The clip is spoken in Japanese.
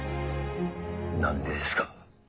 何でですか？